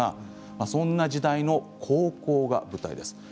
そんな時代の高校が舞台です。